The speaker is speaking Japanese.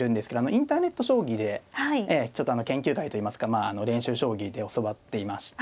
インターネット将棋でちょっと研究会といいますかまあ練習将棋で教わっていまして。